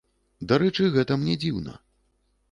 Дарэчы, гэта мне дзіўна.